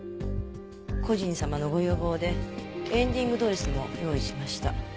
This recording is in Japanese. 故人様のご要望でエンディングドレスも用意しました。